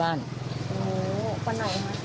ปันใหนแหละ